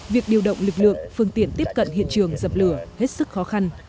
việc điều động lực lượng phương tiện tiếp cận hiện trường dập lửa hết sức khó khăn